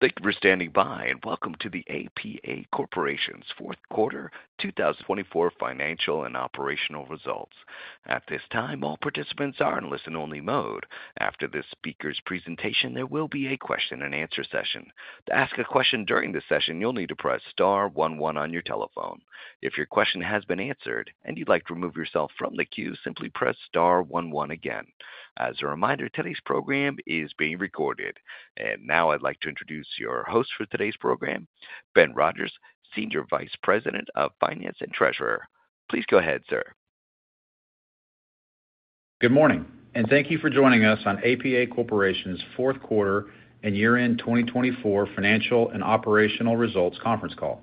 Thank you for standing by, and welcome to the APA Corporation's fourth quarter 2024 financial and operational results. At this time, all participants are in listen-only mode. After this speaker's presentation, there will be a question-and-answer session. To ask a question during this session, you'll need to press star one one on your telephone. If your question has been answered and you'd like to remove yourself from the queue, simply press star one one again. As a reminder, today's program is being recorded. And now I'd like to introduce your host for today's program, Ben Rodgers, Senior Vice President of Finance and Treasurer. Please go ahead, sir. Good morning, and thank you for joining us on APA Corporation's Fourth Quarter and Year-End 2024 Financial and Operational Results Conference Call.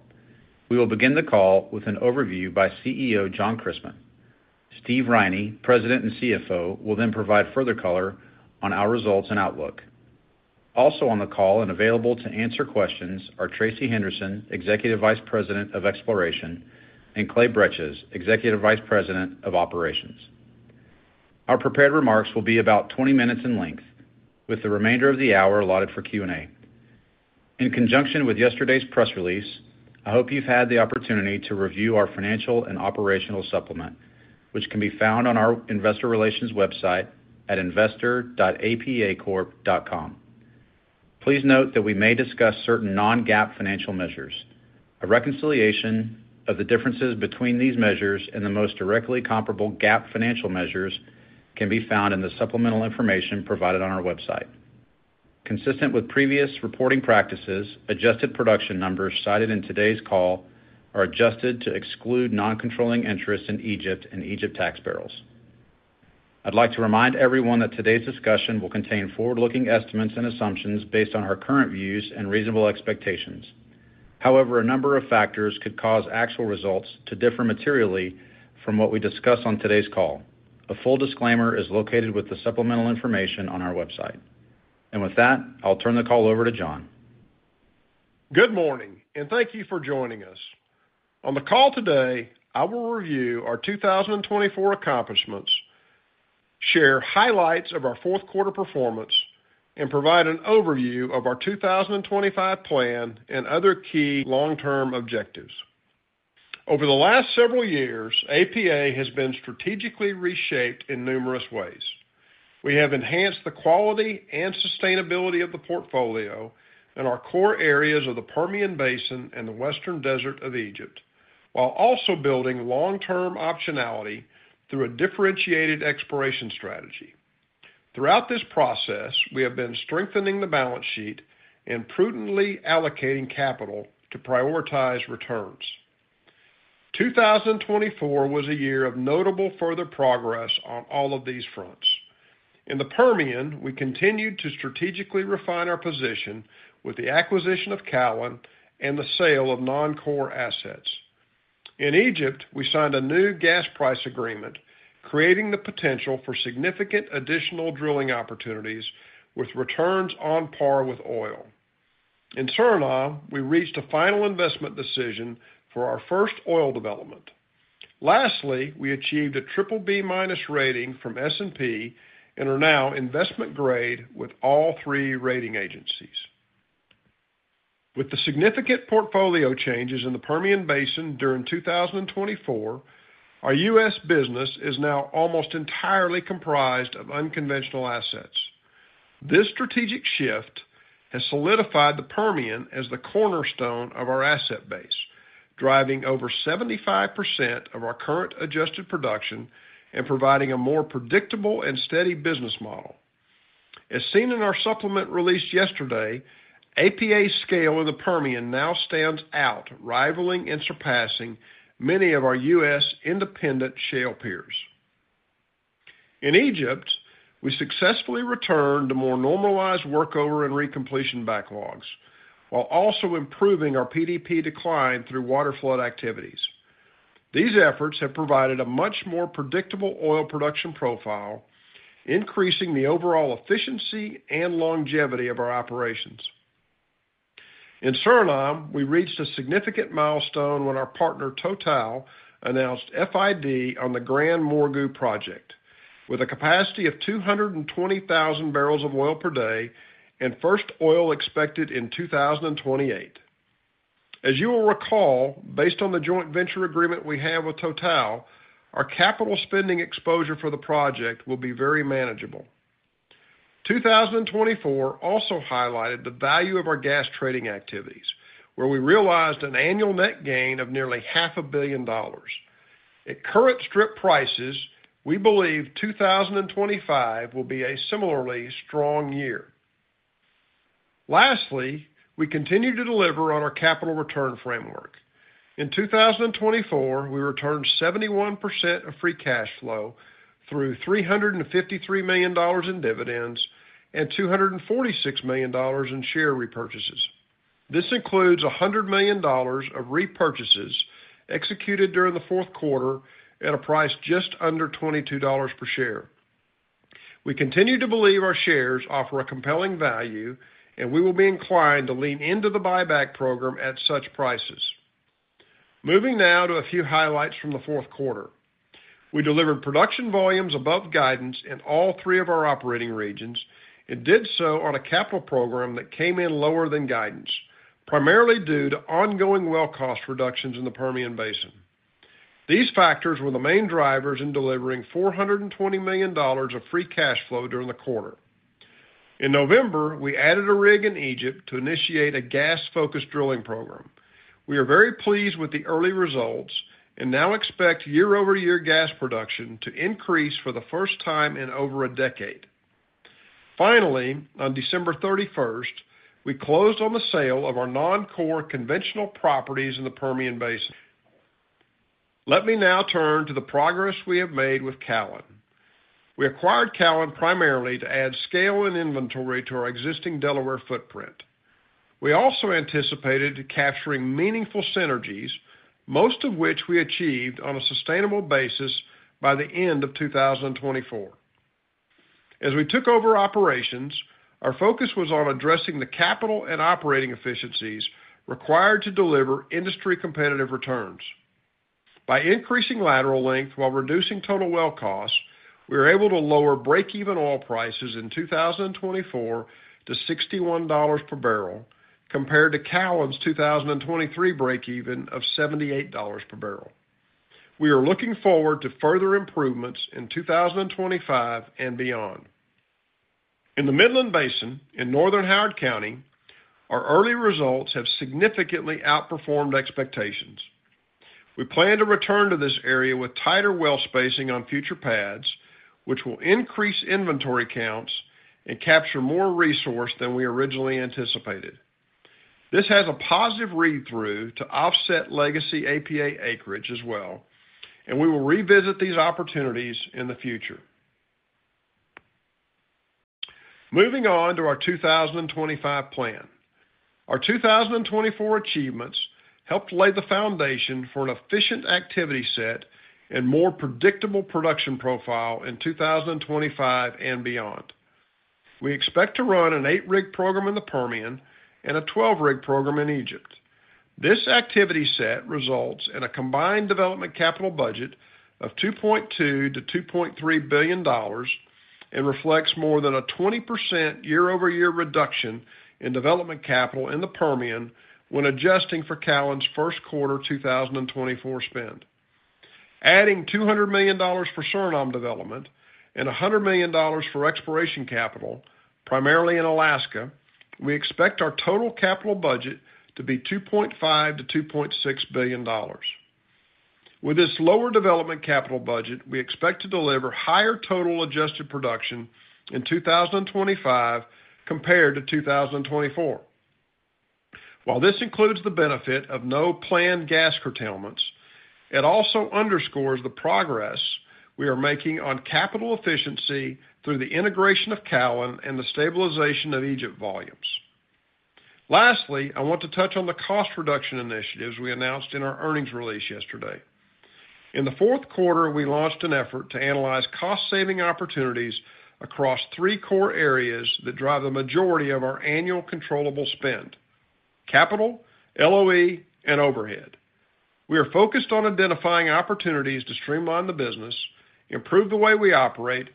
We will begin the call with an overview by CEO John Christmann. Steve Riney, President and CFO, will then provide further color on our results and outlook. Also on the call and available to answer questions are Tracy Henderson, Executive Vice President of Exploration, and Clay Bretches, Executive Vice President of Operations. Our prepared remarks will be about 20 minutes in length, with the remainder of the hour allotted for Q&A. In conjunction with yesterday's press release, I hope you've had the opportunity to review our financial and operational supplement, which can be found on our investor relations website at investor.apacorp.com. Please note that we may discuss certain non-GAAP financial measures. A reconciliation of the differences between these measures and the most directly comparable GAAP financial measures can be found in the supplemental information provided on our website. Consistent with previous reporting practices, adjusted production numbers cited in today's call are adjusted to exclude non-controlling interest in Egypt and Egypt taxpayers. I'd like to remind everyone that today's discussion will contain forward-looking estimates and assumptions based on our current views and reasonable expectations. However, a number of factors could cause actual results to differ materially from what we discuss on today's call. A full disclaimer is located with the supplemental information on our website. And with that, I'll turn the call over to John. Good morning, and thank you for joining us. On the call today, I will review our 2024 accomplishments, share highlights of our fourth quarter performance, and provide an overview of our 2025 plan and other key long-term objectives. Over the last several years, APA has been strategically reshaped in numerous ways. We have enhanced the quality and sustainability of the portfolio and our core areas of the Permian Basin and the Western Desert of Egypt, while also building long-term optionality through a differentiated exploration strategy. Throughout this process, we have been strengthening the balance sheet and prudently allocating capital to prioritize returns. 2024 was a year of notable further progress on all of these fronts. In the Permian, we continued to strategically refine our position with the acquisition of Callon and the sale of non-core assets. In Egypt, we signed a new gas price agreement, creating the potential for significant additional drilling opportunities with returns on par with oil. In Suriname, we reached a final investment decision for our first oil development. Lastly, we achieved a triple B minus rating from S&P and are now investment grade with all three rating agencies. With the significant portfolio changes in the Permian Basin during 2024, our U.S. business is now almost entirely comprised of unconventional assets. This strategic shift has solidified the Permian as the cornerstone of our asset base, driving over 75% of our current adjusted production and providing a more predictable and steady business model. As seen in our supplement released yesterday, APA's scale in the Permian now stands out, rivaling and surpassing many of our U.S. independent shale peers. In Egypt, we successfully returned to more normalized workover and recompletion backlogs, while also improving our PDP decline through water flood activities. These efforts have provided a much more predictable oil production profile, increasing the overall efficiency and longevity of our operations. In Suriname, we reached a significant milestone when our partner Total announced FID on the GranMorgu project, with a capacity of 220,000 barrels of oil per day and first oil expected in 2028. As you will recall, based on the joint venture agreement we have with Total, our capital spending exposure for the project will be very manageable. 2024 also highlighted the value of our gas trading activities, where we realized an annual net gain of nearly $500 million. At current strip prices, we believe 2025 will be a similarly strong year. Lastly, we continue to deliver on our capital return framework. In 2024, we returned 71% of free cash flow through $353 million in dividends and $246 million in share repurchases. This includes $100 million of repurchases executed during the fourth quarter at a price just under $22 per share. We continue to believe our shares offer a compelling value, and we will be inclined to lean into the buyback program at such prices. Moving now to a few highlights from the fourth quarter. We delivered production volumes above guidance in all three of our operating regions and did so on a capital program that came in lower than guidance, primarily due to ongoing well cost reductions in the Permian Basin. These factors were the main drivers in delivering $420 million of free cash flow during the quarter. In November, we added a rig in Egypt to initiate a gas-focused drilling program. We are very pleased with the early results and now expect year-over-year gas production to increase for the first time in over a decade. Finally, on December 31st, we closed on the sale of our non-core conventional properties in the Permian Basin. Let me now turn to the progress we have made with Callon. We acquired Callon primarily to add scale and inventory to our existing Delaware footprint. We also anticipated capturing meaningful synergies, most of which we achieved on a sustainable basis by the end of 2024. As we took over operations, our focus was on addressing the capital and operating efficiencies required to deliver industry-competitive returns. By increasing lateral length while reducing total well cost, we were able to lower break-even oil prices in 2024 to $61 per barrel, compared to Callon's 2023 break-even of $78 per barrel. We are looking forward to further improvements in 2025 and beyond. In the Midland Basin in northern Howard County, our early results have significantly outperformed expectations. We plan to return to this area with tighter well spacing on future pads, which will increase inventory counts and capture more resource than we originally anticipated. This has a positive read-through to offset legacy APA acreage as well, and we will revisit these opportunities in the future. Moving on to our 2025 plan. Our 2024 achievements helped lay the foundation for an efficient activity set and more predictable production profile in 2025 and beyond. We expect to run an eight-rig program in the Permian and a 12-rig program in Egypt. This activity set results in a combined development capital budget of $2.2 billion-$2.3 billion and reflects more than a 20% year-over-year reduction in development capital in the Permian when adjusting for Callon's first quarter 2024 spend. Adding $200 million for Suriname development and $100 million for exploration capital, primarily in Alaska, we expect our total capital budget to be $2.5 billion-$2.6 billion. With this lower development capital budget, we expect to deliver higher total adjusted production in 2025 compared to 2024. While this includes the benefit of no planned gas curtailments, it also underscores the progress we are making on capital efficiency through the integration of Callon and the stabilization of Egypt volumes. Lastly, I want to touch on the cost reduction initiatives we announced in our earnings release yesterday. In the fourth quarter, we launched an effort to analyze cost-saving opportunities across three core areas that drive the majority of our annual controllable spend: capital, LOE, and overhead. We are focused on identifying opportunities to streamline the business, improve the way we operate,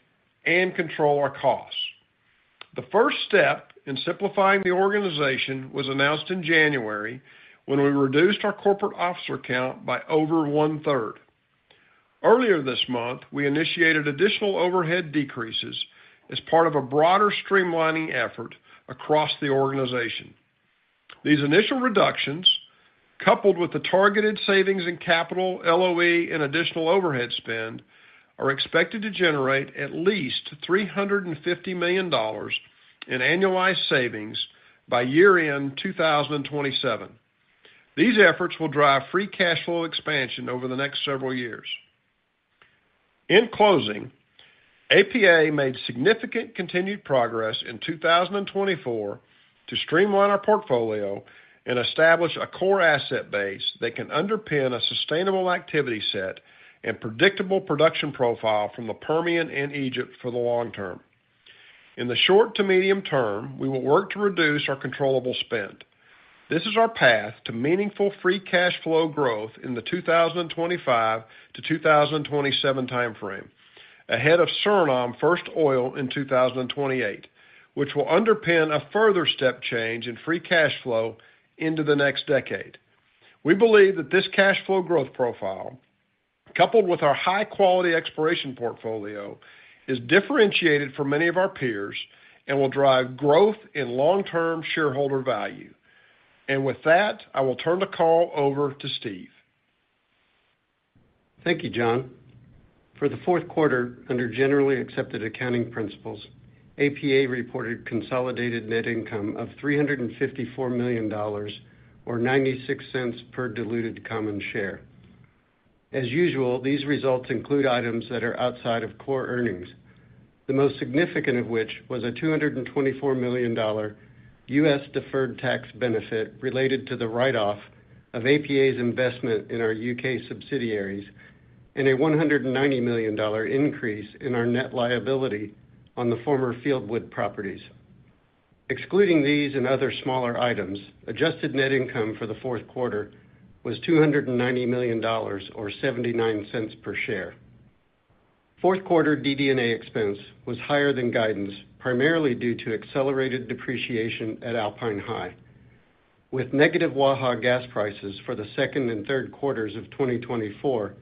and control our costs. The first step in simplifying the organization was announced in January when we reduced our corporate officer count by over one-third. Earlier this month, we initiated additional overhead decreases as part of a broader streamlining effort across the organization. These initial reductions, coupled with the targeted savings in capital, LOE, and additional overhead spend, are expected to generate at least $350 million in annualized savings by year-end 2027. These efforts will drive free cash flow expansion over the next several years. In closing, APA made significant continued progress in 2024 to streamline our portfolio and establish a core asset base that can underpin a sustainable activity set and predictable production profile from the Permian and Egypt for the long term. In the short to medium term, we will work to reduce our controllable spend. This is our path to meaningful free cash flow growth in the 2025 to 2027 timeframe, ahead of Suriname first oil in 2028, which will underpin a further step change in free cash flow into the next decade. We believe that this cash flow growth profile, coupled with our high-quality exploration portfolio, is differentiated from many of our peers and will drive growth in long-term shareholder value. And with that, I will turn the call over to Steve. Thank you, John. For the fourth quarter, under generally accepted accounting principles, APA reported consolidated net income of $354 million, or $0.96 per diluted common share. As usual, these results include items that are outside of core earnings, the most significant of which was a $224 million U.S. deferred tax benefit related to the write-off of APA's investment in our U.K. subsidiaries and a $190 million increase in our net liability on the former Fieldwood properties. Excluding these and other smaller items, adjusted net income for the fourth quarter was $290 million, or $0.79 per share. Fourth quarter DD&A expense was higher than guidance, primarily due to accelerated depreciation at Alpine High. With negative Waha gas prices for the second and third quarters of 2024,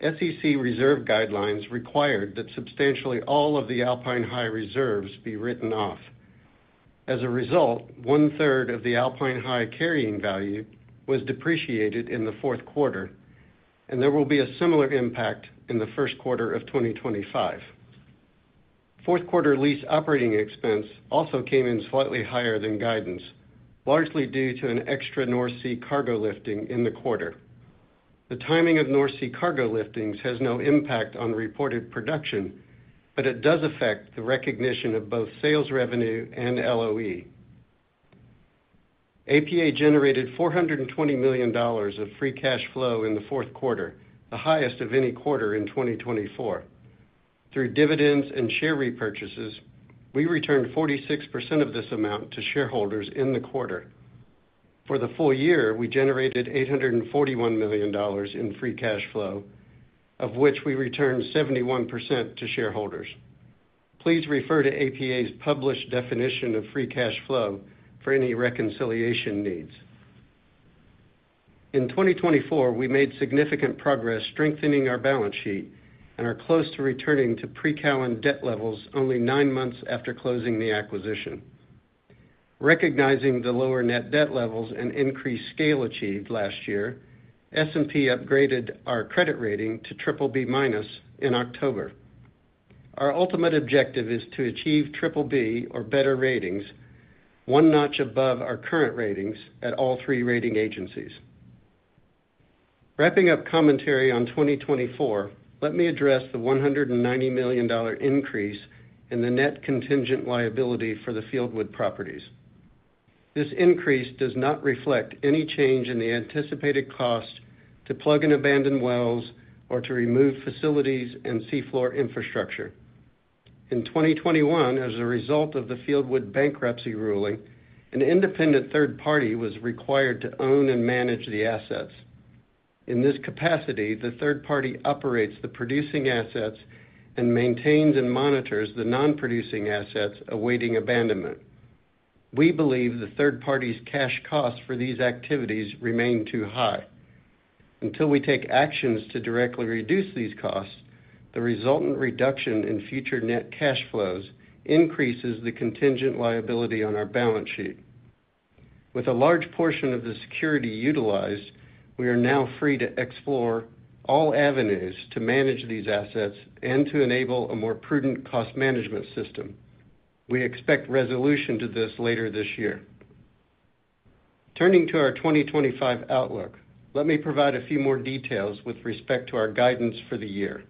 SEC reserve guidelines required that substantially all of the Alpine High reserves be written off. As a result, one-third of the Alpine High carrying value was depreciated in the fourth quarter, and there will be a similar impact in the first quarter of 2025. Fourth quarter lease operating expense also came in slightly higher than guidance, largely due to an extra North Sea cargo lifting in the quarter. The timing of North Sea cargo liftings has no impact on reported production, but it does affect the recognition of both sales revenue and LOE. APA generated $420 million of free cash flow in the fourth quarter, the highest of any quarter in 2024. Through dividends and share repurchases, we returned 46% of this amount to shareholders in the quarter. For the full year, we generated $841 million in free cash flow, of which we returned 71% to shareholders. Please refer to APA's published definition of free cash flow for any reconciliation needs. In 2024, we made significant progress strengthening our balance sheet and are close to returning to pre-Callon debt levels only nine months after closing the acquisition. Recognizing the lower net debt levels and increased scale achieved last year, S&P upgraded our credit rating to triple B minus in October. Our ultimate objective is to achieve triple B or better ratings, one notch above our current ratings at all three rating agencies. Wrapping up commentary on 2024, let me address the $190 million increase in the net contingent liability for the Fieldwood properties. This increase does not reflect any change in the anticipated cost to plug and abandon wells or to remove facilities and seafloor infrastructure. In 2021, as a result of the Fieldwood bankruptcy ruling, an independent third party was required to own and manage the assets. In this capacity, the third party operates the producing assets and maintains and monitors the non-producing assets awaiting abandonment. We believe the third party's cash costs for these activities remain too high. Until we take actions to directly reduce these costs, the resultant reduction in future net cash flows increases the contingent liability on our balance sheet. With a large portion of the security utilized, we are now free to explore all avenues to manage these assets and to enable a more prudent cost management system. We expect resolution to this later this year. Turning to our 2025 outlook, let me provide a few more details with respect to our guidance for the year.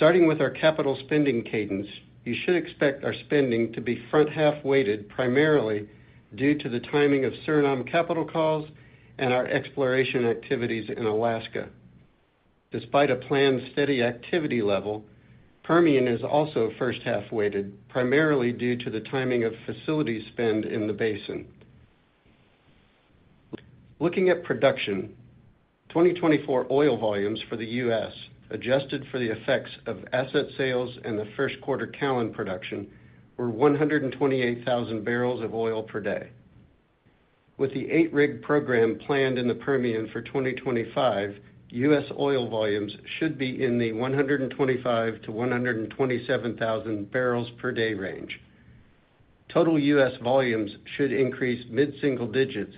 Starting with our capital spending cadence, you should expect our spending to be front-half weighted primarily due to the timing of Suriname capital calls and our exploration activities in Alaska. Despite a planned steady activity level, Permian is also first-half weighted, primarily due to the timing of facility spend in the basin. Looking at production, 2024 oil volumes for the U.S., adjusted for the effects of asset sales and the first quarter Callon production, were 128,000 barrels of oil per day. With the eight-rig program planned in the Permian for 2025, U.S. oil volumes should be in the 125,000-127,000 barrels per day range. Total U.S. volumes should increase mid-single digits,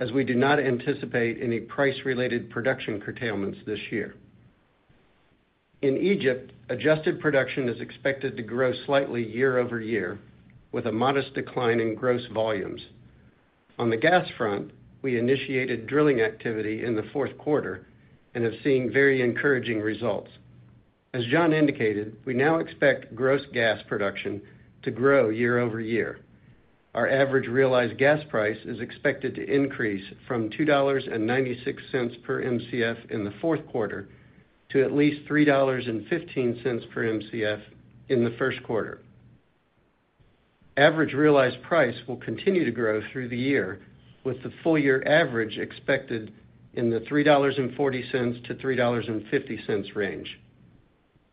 as we do not anticipate any price-related production curtailments this year. In Egypt, adjusted production is expected to grow slightly year-over-year, with a modest decline in gross volumes. On the gas front, we initiated drilling activity in the fourth quarter and have seen very encouraging results. As John indicated, we now expect gross gas production to grow year-over-year. Our average realized gas price is expected to increase from $2.96 per MCF in the fourth quarter to at least $3.15 per MCF in the first quarter. Average realized price will continue to grow through the year, with the full-year average expected in the $3.40-$3.50 range.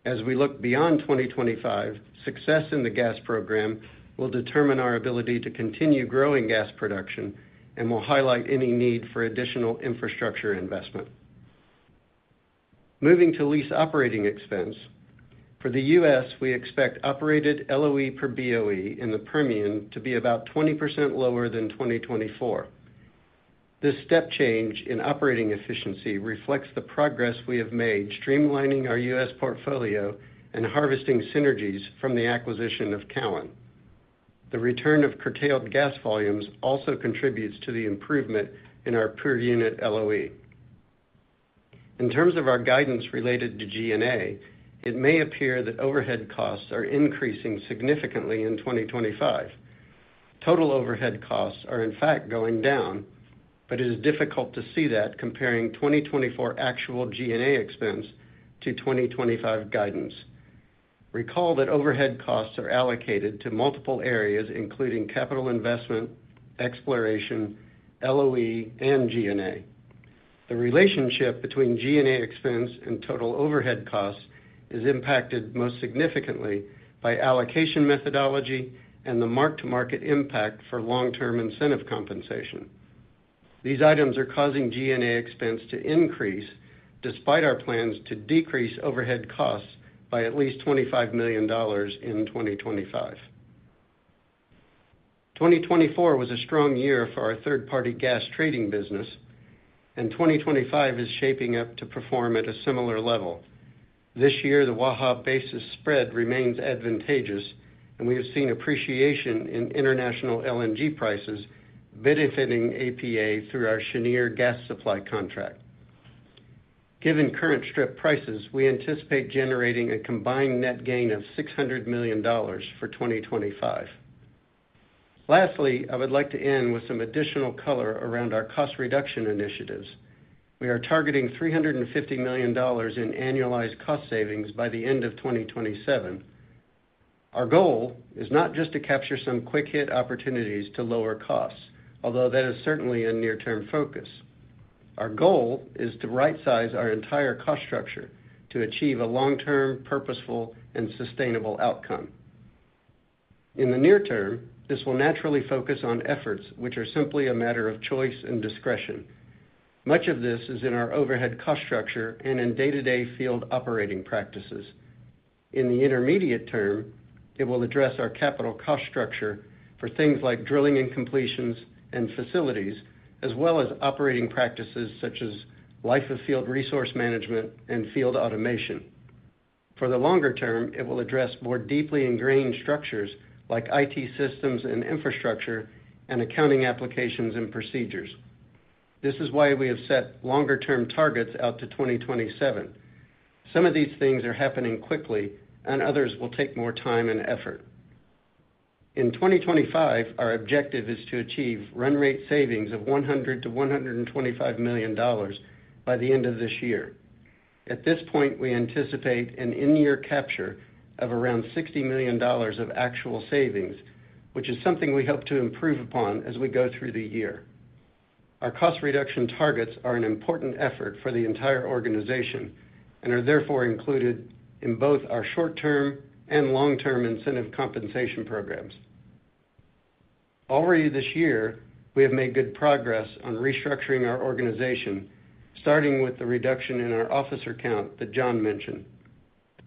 As we look beyond 2025, success in the gas program will determine our ability to continue growing gas production and will highlight any need for additional infrastructure investment. Moving to lease operating expense, for the U.S., we expect operated LOE per BOE in the Permian to be about 20% lower than 2024. This step change in operating efficiency reflects the progress we have made streamlining our U.S. portfolio and harvesting synergies from the acquisition of Callon. The return of curtailed gas volumes also contributes to the improvement in our per unit LOE. In terms of our guidance related to G&A, it may appear that overhead costs are increasing significantly in 2025. Total overhead costs are, in fact, going down, but it is difficult to see that comparing 2024 actual G&A expense to 2025 guidance. Recall that overhead costs are allocated to multiple areas, including capital investment, exploration, LOE, and G&A. The relationship between G&A expense and total overhead costs is impacted most significantly by allocation methodology and the mark-to-market impact for long-term incentive compensation. These items are causing G&A expense to increase despite our plans to decrease overhead costs by at least $25 million in 2025. 2024 was a strong year for our third-party gas trading business, and 2025 is shaping up to perform at a similar level. This year, the Waha basis spread remains advantageous, and we have seen appreciation in international LNG prices, benefiting APA through our Cheniere gas supply contract. Given current strip prices, we anticipate generating a combined net gain of $600 million for 2025. Lastly, I would like to end with some additional color around our cost reduction initiatives. We are targeting $350 million in annualized cost savings by the end of 2027. Our goal is not just to capture some quick-hit opportunities to lower costs, although that is certainly a near-term focus. Our goal is to right-size our entire cost structure to achieve a long-term, purposeful, and sustainable outcome. In the near term, this will naturally focus on efforts which are simply a matter of choice and discretion. Much of this is in our overhead cost structure and in day-to-day field operating practices. In the intermediate term, it will address our capital cost structure for things like drilling and completions and facilities, as well as operating practices such as life of field resource management and field automation. For the longer term, it will address more deeply ingrained structures like IT systems and infrastructure and accounting applications and procedures. This is why we have set longer-term targets out to 2027. Some of these things are happening quickly, and others will take more time and effort. In 2025, our objective is to achieve run-rate savings of $100 million-$125 million by the end of this year. At this point, we anticipate an in-year capture of around $60 million of actual savings, which is something we hope to improve upon as we go through the year. Our cost reduction targets are an important effort for the entire organization and are therefore included in both our short-term and long-term incentive compensation programs. Already this year, we have made good progress on restructuring our organization, starting with the reduction in our officer count that John mentioned.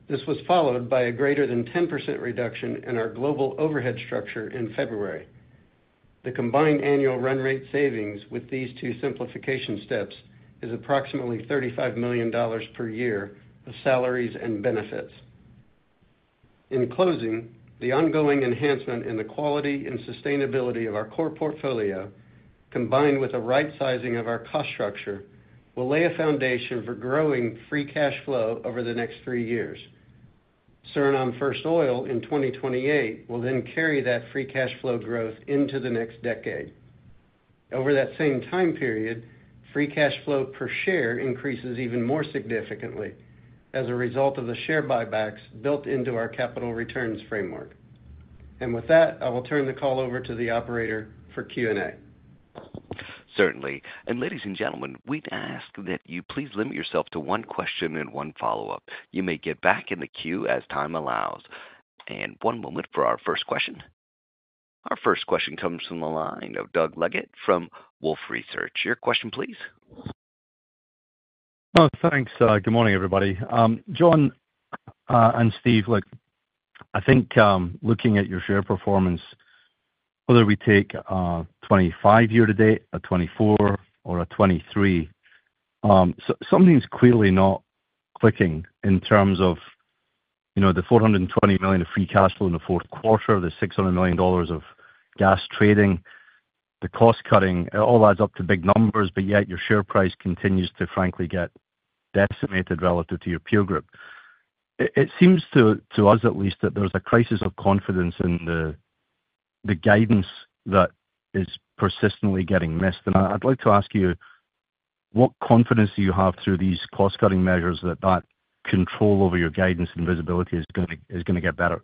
This was followed by a greater than 10% reduction in our global overhead structure in February. The combined annual run-rate savings with these two simplification steps is approximately $35 million per year of salaries and benefits. In closing, the ongoing enhancement in the quality and sustainability of our core portfolio, combined with a right-sizing of our cost structure, will lay a foundation for growing free cash flow over the next three years. Suriname First Oil in 2028 will then carry that free cash flow growth into the next decade. Over that same time period, free cash flow per share increases even more significantly as a result of the share buybacks built into our capital returns framework. And with that, I will turn the call over to the operator for Q&A. Certainly. And ladies and gentlemen, we'd ask that you please limit yourself to one question and one follow-up. You may get back in the queue as time allows. And one moment for our first question. Our first question comes from the line of Doug Leggett from Wolfe Research. Your question, please. Oh, thanks. Good morning, everybody. John and Steve, look, I think looking at your share performance, whether we take a 2025 year to date, a 2024, or a 2023, something's clearly not clicking in terms of the $420 million of free cash flow in the fourth quarter, the $600 million of gas trading, the cost cutting. It all adds up to big numbers, but yet your share price continues to, frankly, get decimated relative to your peer group. It seems to us, at least, that there's a crisis of confidence in the guidance that is persistently getting missed. And I'd like to ask you, what confidence do you have through these cost-cutting measures that that control over your guidance and visibility is going to get better?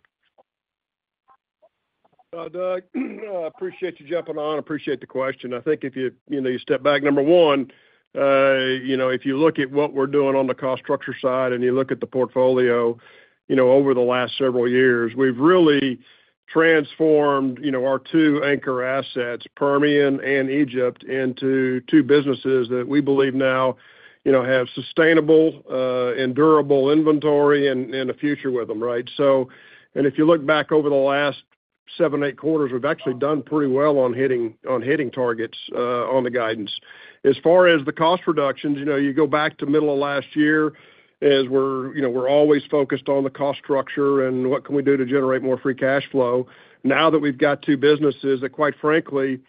Doug, I appreciate you jumping on. I appreciate the question. I think if you step back, number one, if you look at what we're doing on the cost structure side and you look at the portfolio over the last several years, we've really transformed our two anchor assets, Permian and Egypt, into two businesses that we believe now have sustainable and durable inventory and a future with them. If you look back over the last seven, eight quarters, we've actually done pretty well on hitting targets on the guidance. As far as the cost reductions, you go back to the middle of last year, as we're always focused on the cost structure and what can we do to generate more free cash flow. Now that we've got two businesses that, quite frankly,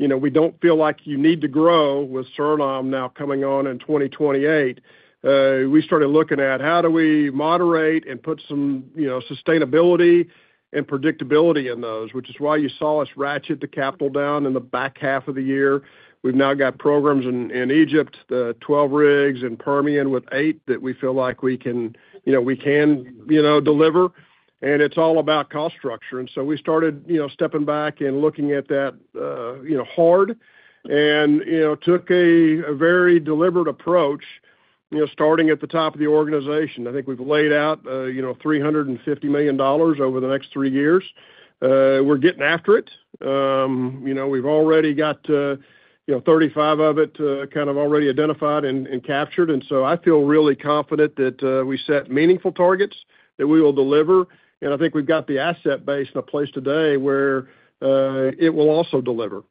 we don't feel like you need to grow with Suriname now coming on in 2028, we started looking at how do we moderate and put some sustainability and predictability in those, which is why you saw us ratchet the capital down in the back half of the year. We've now got programs in Egypt, the 12 rigs in Permian with eight that we feel like we can deliver, and it's all about cost structure, and so we started stepping back and looking at that hard and took a very deliberate approach, starting at the top of the organization. I think we've laid out $350 million over the next three years. We're getting after it. We've already got 35 of it kind of already identified and captured, and so I feel really confident that we set meaningful targets, that we will deliver. I think we've got the asset base in a place today where it will also deliver.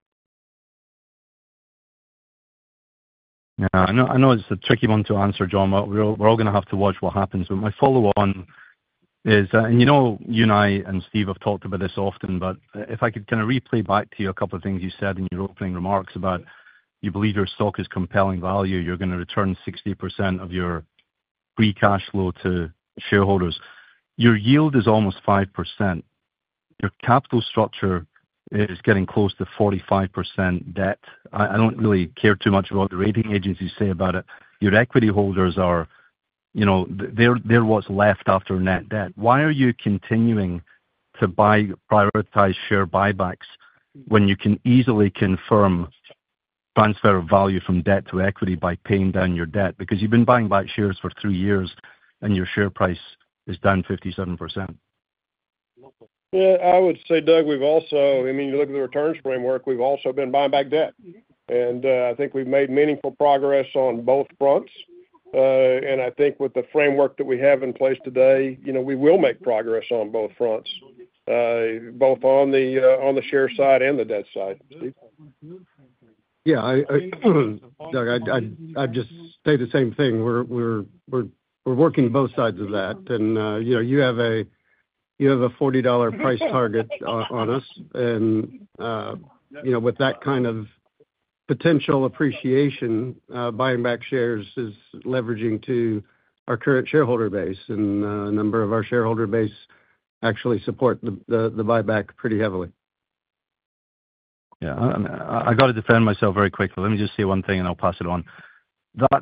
Yeah. I know it's a tricky one to answer, John, but we're all going to have to watch what happens. But my follow-on is, and you know you and I and Steve have talked about this often, but if I could kind of replay back to you a couple of things you said in your opening remarks about you believe your stock is compelling value, you're going to return 60% of your free cash flow to shareholders. Your yield is almost 5%. Your capital structure is getting close to 45% debt. I don't really care too much about the rating agencies say about it. Your equity holders, they're what's left after net debt. Why are you continuing to buy prioritized share buybacks when you can easily confirm transfer of value from debt to equity by paying down your debt? Because you've been buying back shares for three years and your share price is down 57%. I would say, Doug, we've also, I mean, you look at the returns framework, we've also been buying back debt, and I think we've made meaningful progress on both fronts, and I think with the framework that we have in place today, we will make progress on both fronts, both on the share side and the debt side. Yeah. Doug, I'd just say the same thing. We're working both sides of that. And you have a $40 price target on us. And with that kind of potential appreciation, buying back shares is leveraging to our current shareholder base. And a number of our shareholder base actually support the buyback pretty heavily. Yeah. I got to defend myself very quickly. Let me just say one thing and I'll pass it on.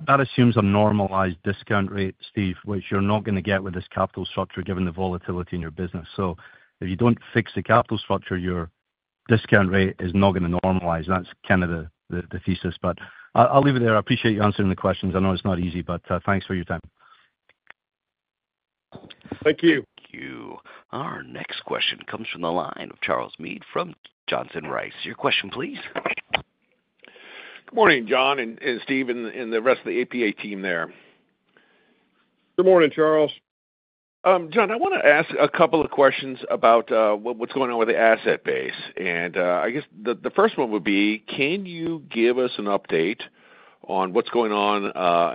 That assumes a normalized discount rate, Steve, which you're not going to get with this capital structure given the volatility in your business. So if you don't fix the capital structure, your discount rate is not going to normalize. That's kind of the thesis. But I'll leave it there. I appreciate you answering the questions. I know it's not easy, but thanks for your time. Thank you. Thank you. Our next question comes from the line of Charles Meade from Johnson Rice. Your question, please. Good morning, John, and Steve, and the rest of the APA team there. Good morning, Charles. John, I want to ask a couple of questions about what's going on with the asset base. I guess the first one would be, can you give us an update on what's going on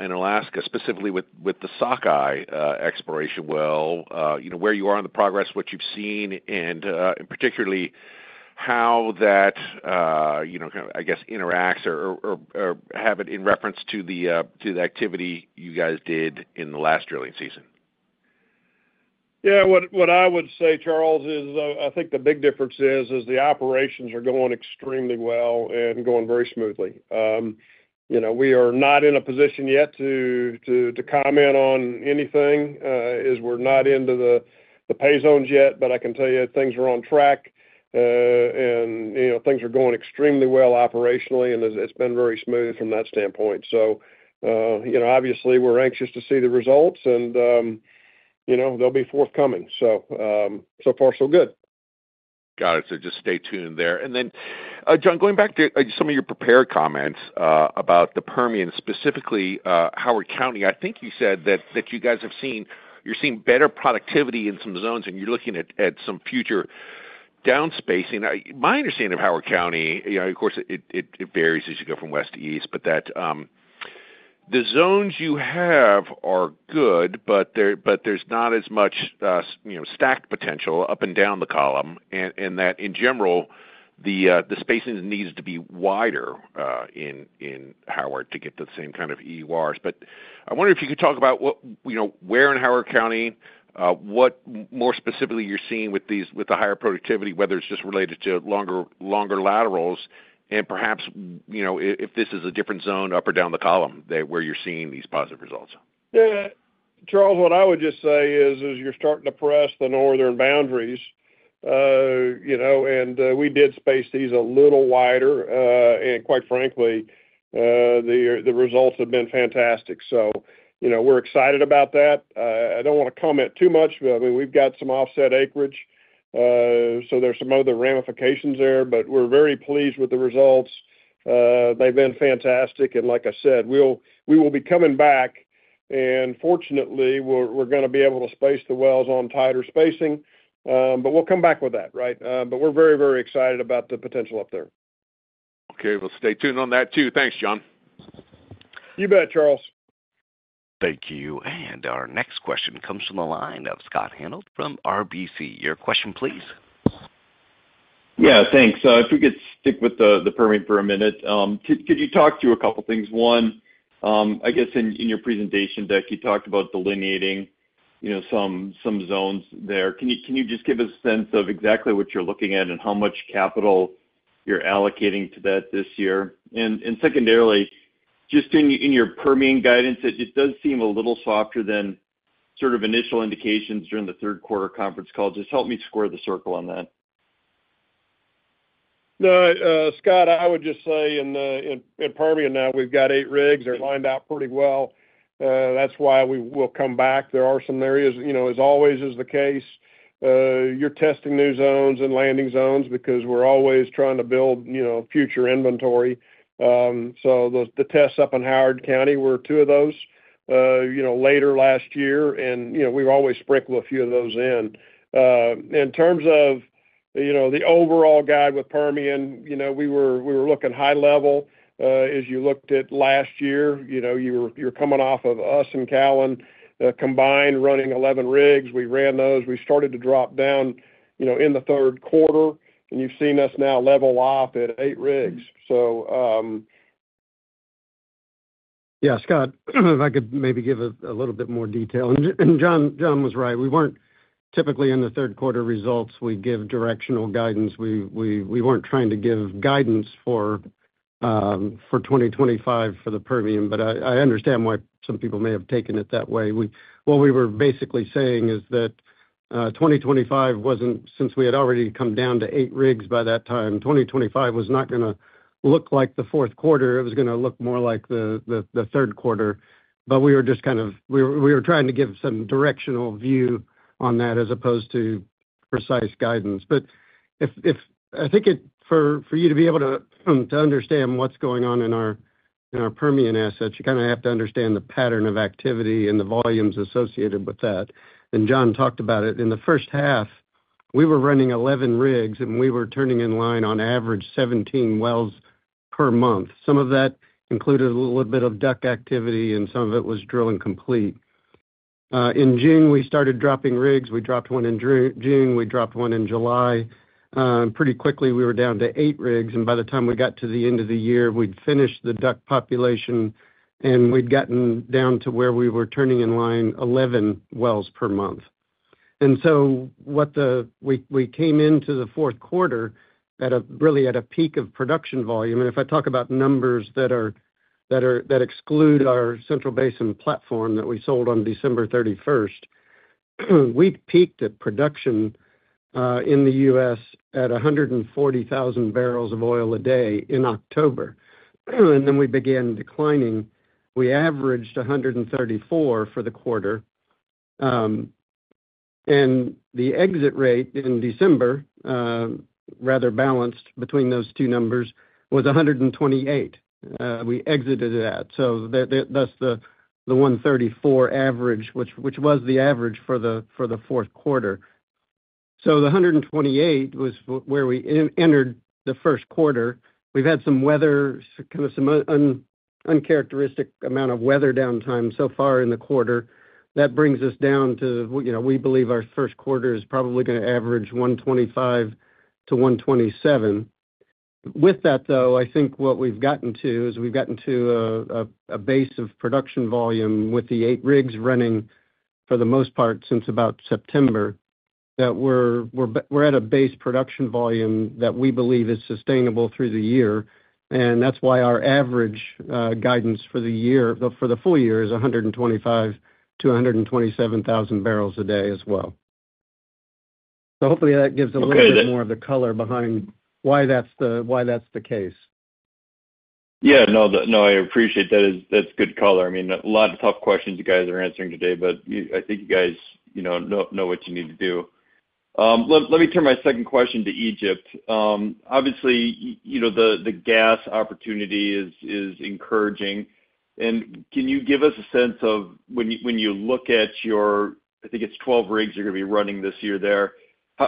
in Alaska, specifically with the Sockeye exploration? Where you are on the progress, what you've seen, and particularly how that, I guess, interacts or have it in reference to the activity you guys did in the last drilling season? Yeah. What I would say, Charles, is I think the big difference is the operations are going extremely well and going very smoothly. We are not in a position yet to comment on anything as we're not into the pay zones yet, but I can tell you things are on track and things are going extremely well operationally, and it's been very smooth from that standpoint. So obviously, we're anxious to see the results, and they'll be forthcoming. So far, so good. Got it. So just stay tuned there and then, John, going back to some of your prepared comments about the Permian, specifically Howard County, I think you said that you guys have seen you're seeing better productivity in some zones, and you're looking at some future downspacing. My understanding of Howard County, of course, it varies as you go from west to east, but that the zones you have are good, but there's not as much stacked potential up and down the column, and that in general, the spacing needs to be wider in Howard to get to the same kind of EURs. But I wonder if you could talk about where in Howard County, what more specifically you're seeing with the higher productivity, whether it's just related to longer laterals, and perhaps if this is a different zone up or down the column where you're seeing these positive results. Yeah. Charles, what I would just say is you're starting to press the northern boundaries. And we did space these a little wider. And quite frankly, the results have been fantastic. So we're excited about that. I don't want to comment too much. I mean, we've got some offset acreage, so there's some other ramifications there, but we're very pleased with the results. They've been fantastic. And like I said, we will be coming back, and fortunately, we're going to be able to space the wells on tighter spacing, but we'll come back with that, right? But we're very, very excited about the potential up there. Okay. Well, stay tuned on that too. Thanks, John. You bet, Charles. Thank you. And our next question comes from the line of Scott Hanold from RBC. Your question, please. Yeah. Thanks. If we could stick with the Permian for a minute, could you talk to a couple of things? One, I guess in your presentation, Doug, you talked about delineating some zones there. Can you just give us a sense of exactly what you're looking at and how much capital you're allocating to that this year? And secondarily, just in your Permian guidance, it does seem a little softer than sort of initial indications during the third quarter conference call. Just help me square the circle on that. Scott, I would just say in Permian now, we've got eight rigs that are lined out pretty well. That's why we will come back. There are some areas, as always is the case, you're testing new zones and landing zones because we're always trying to build future inventory. So the tests up in Howard County, we're two of those later last year, and we've always sprinkled a few of those in. In terms of the overall guide with Permian, we were looking high level as you looked at last year. You were coming off of us and Callon combined running 11 rigs. We ran those. We started to drop down in the third quarter, and you've seen us now level off at eight rigs. So. Yeah. Scott, if I could maybe give a little bit more detail, and John was right. We weren't typically in the third quarter results. We give directional guidance. We weren't trying to give guidance for 2025 for the Permian, but I understand why some people may have taken it that way. What we were basically saying is that 2025 wasn't, since we had already come down to eight rigs by that time, 2025 was not going to look like the fourth quarter. It was going to look more like the third quarter. But we were just kind of trying to give some directional view on that as opposed to precise guidance. But I think for you to be able to understand what's going on in our Permian assets, you kind of have to understand the pattern of activity and the volumes associated with that. John talked about it. In the first half, we were running 11 rigs, and we were turning in line on average 17 wells per month. Some of that included a little bit of DUC activity, and some of it was drilling complete. In June, we started dropping rigs. We dropped one in June. We dropped one in July. Pretty quickly, we were down to eight rigs. And by the time we got to the end of the year, we'd finished the DUC population, and we'd gotten down to where we were turning in line 11 wells per month. And so we came into the fourth quarter really at a peak of production volume. And if I talk about numbers that exclude our Central Basin platform that we sold on December 31st, we peaked at production in the U.S. at 140,000 barrels of oil a day in October. Then we began declining. We averaged 134 for the quarter. The exit rate in December, rather balanced between those two numbers, was 128. We exited at that. That's the 134 average, which was the average for the fourth quarter. The 128 was where we entered the first quarter. We've had some weather, kind of some uncharacteristic amount of weather downtime so far in the quarter. That brings us down to we believe our first quarter is probably going to average 125-127. With that, though, I think what we've gotten to is we've gotten to a base of production volume with the eight rigs running for the most part since about September that we're at a base production volume that we believe is sustainable through the year. That's why our average guidance for the year, for the full year, is 125,000-127,000 barrels a day as well. Hopefully, that gives a little bit more of the color behind why that's the case. Yeah. No, I appreciate that. That's good color. I mean, a lot of tough questions you guys are answering today, but I think you guys know what you need to do. Let me turn my second question to Egypt. Obviously, the gas opportunity is encouraging. And can you give us a sense of when you look at your, I think it's 12 rigs you're going to be running this year there,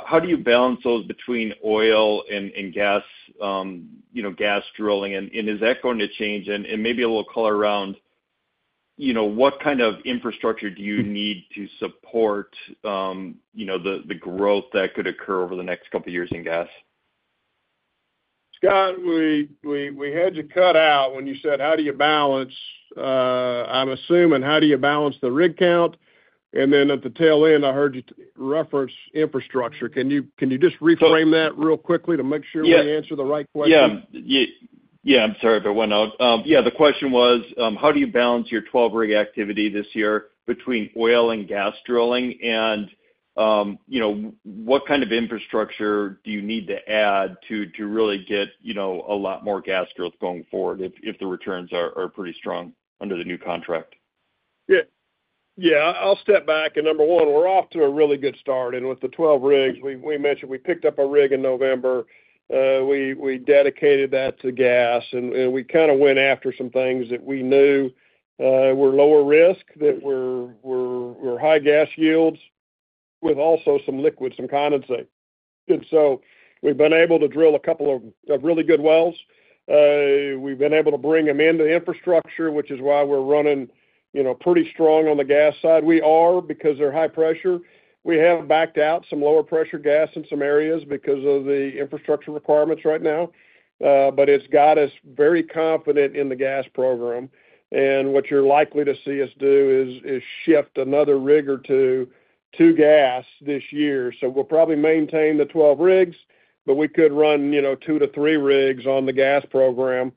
how do you balance those between oil and gas drilling? And is that going to change? And maybe a little color around what kind of infrastructure do you need to support the growth that could occur over the next couple of years in gas? Scott, we had you cut out when you said, "How do you balance?" I'm assuming, "How do you balance the rig count?" And then at the tail end, I heard you reference infrastructure. Can you just reframe that real quickly to make sure we answer the right question? Yeah. Yeah. I'm sorry if I went out. Yeah. The question was, how do you balance your 12-rig activity this year between oil and gas drilling? And what kind of infrastructure do you need to add to really get a lot more gas drilled going forward if the returns are pretty strong under the new contract? Yeah. Yeah. I'll step back. Number one, we're off to a really good start. With the 12 rigs, we mentioned we picked up a rig in November. We dedicated that to gas. We kind of went after some things that we knew were lower risk, that were high gas yields, with also some liquids, some condensate. So we've been able to drill a couple of really good wells. We've been able to bring them into the infrastructure, which is why we're running pretty strong on the gas side. We are because they're high pressure. We have backed out some lower pressure gas in some areas because of the infrastructure requirements right now. But it's got us very confident in the gas program. What you're likely to see us do is shift another rig or two to gas this year. So we'll probably maintain the 12 rigs, but we could run two to three rigs on the gas program.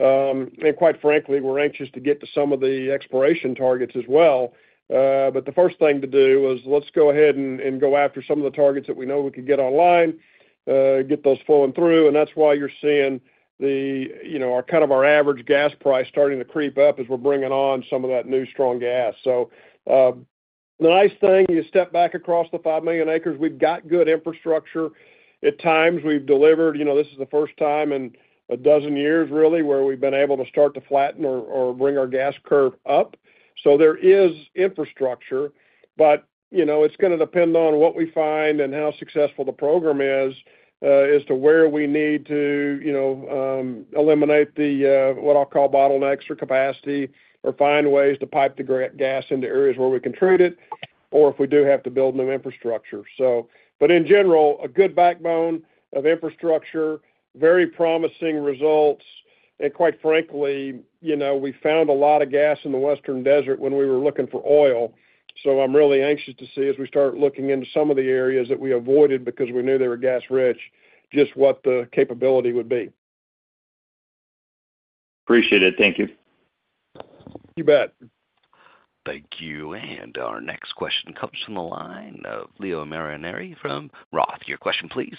And quite frankly, we're anxious to get to some of the exploration targets as well. But the first thing to do is let's go ahead and go after some of the targets that we know we could get online, get those flowing through. And that's why you're seeing kind of our average gas price starting to creep up as we're bringing on some of that new strong gas. So the nice thing, you step back across the 5 million acres. We've got good infrastructure. At times, we've delivered. This is the first time in a dozen years, really, where we've been able to start to flatten or bring our gas curve up. There is infrastructure, but it's going to depend on what we find and how successful the program is as to where we need to eliminate the what I'll call bottlenecks or capacity or find ways to pipe the gas into areas where we can treat it or if we do have to build new infrastructure. In general, a good backbone of infrastructure. Very promising results. Quite frankly, we found a lot of gas in the Western Desert when we were looking for oil. I'm really anxious to see, as we start looking into some of the areas that we avoided because we knew they were gas-rich, just what the capability would be. Appreciate it. Thank you. You bet. Thank you. And our next question comes from the line of Leo Mariani from Roth. Your question, please.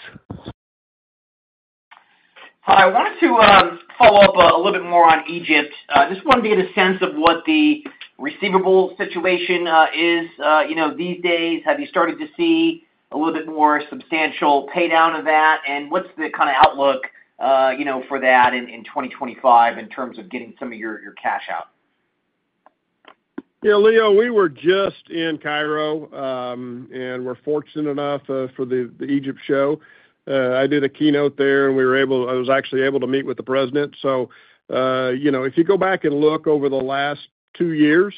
Hi. I wanted to follow up a little bit more on Egypt. Just wanted to get a sense of what the receivable situation is these days. Have you started to see a little bit more substantial paydown of that? And what's the kind of outlook for that in 2025 in terms of getting some of your cash out? Yeah. Leo, we were just in Cairo, and we're fortunate enough for the Egypt show. I did a keynote there, and I was actually able to meet with the president. So if you go back and look over the last two years,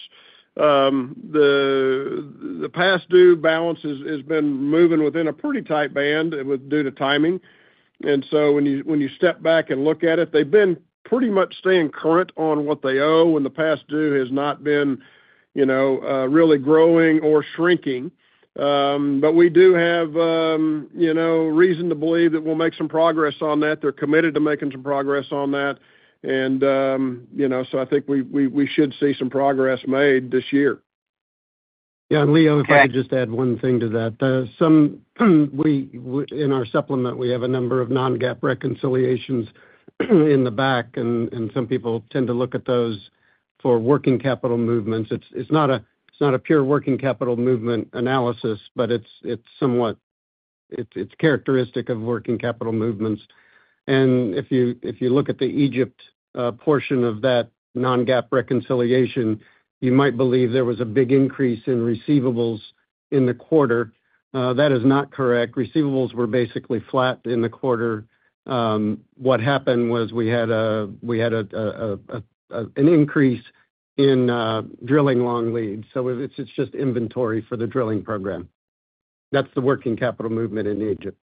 the past due balance has been moving within a pretty tight band due to timing. And so when you step back and look at it, they've been pretty much staying current on what they owe, and the past due has not been really growing or shrinking. But we do have reason to believe that we'll make some progress on that. They're committed to making some progress on that. And so I think we should see some progress made this year. Yeah. And Leo, if I could just add one thing to that. In our supplement, we have a number of non-GAAP reconciliations in the back, and some people tend to look at those for working capital movements. It's not a pure working capital movement analysis, but it's somewhat characteristic of working capital movements. And if you look at the Egypt portion of that non-GAAP reconciliation, you might believe there was a big increase in receivables in the quarter. That is not correct. Receivables were basically flat in the quarter. What happened was we had an increase in drilling long leads. So it's just inventory for the drilling program. That's the working capital movement in Egypt.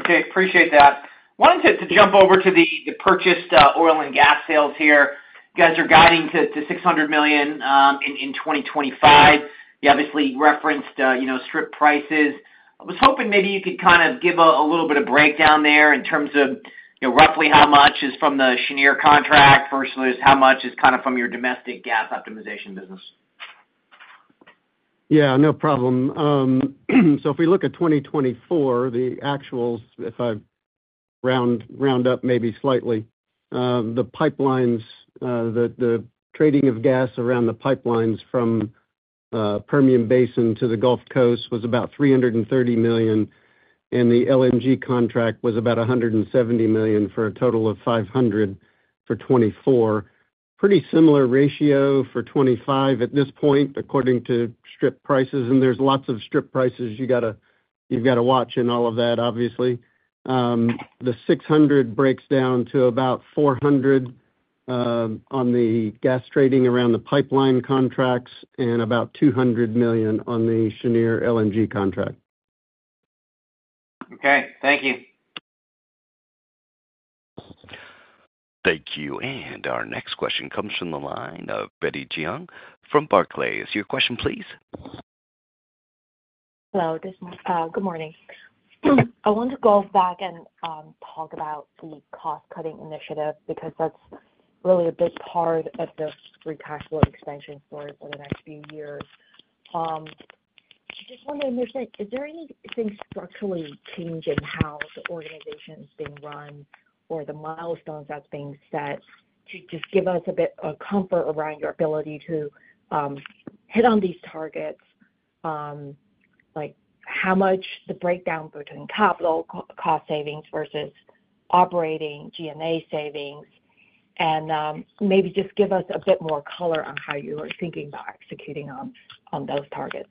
Okay. Appreciate that. Wanted to jump over to the purchased oil and gas sales here. You guys are guiding to $600 million in 2025. You obviously referenced strip prices. I was hoping maybe you could kind of give a little bit of breakdown there in terms of roughly how much is from the Cheniere contract versus how much is kind of from your domestic gas optimization business. Yeah. No problem. So if we look at 2024, the actuals, if I round up maybe slightly, the trading of gas around the pipelines from Permian Basin to the Gulf Coast was about $330 million, and the LNG contract was about $170 million for a total of $500 million for 2024. Pretty similar ratio for 2025 at this point, according to strip prices. And there's lots of strip prices you've got to watch in all of that, obviously. The $600 million breaks down to about $400 million on the gas trading around the pipeline contracts and about $200 million on the Cheniere LNG contract. Okay. Thank you. Thank you. Our next question comes from the line of Betty Jiang from Barclays. Your question, please? Hello. Good morning. I wanted to go back and talk about the cost-cutting initiative because that's really a big part of the free cash flow extension story for the next few years. Just wondering, is there anything structurally changed in how the organization is being run or the milestones that's being set to just give us a bit of comfort around your ability to hit on these targets? Like how much the breakdown between capital cost savings versus operating G&A savings, and maybe just give us a bit more color on how you are thinking about executing on those targets?